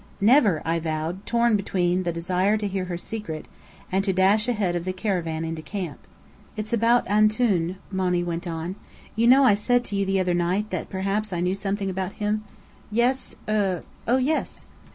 "Never!" I vowed, torn between the desire to hear her secret, and to dash ahead of the caravan into camp. "It's about 'Antoun,'" Monny went on. "You know I said to you the other night, that perhaps I knew something about him?" "Yes er oh, yes!"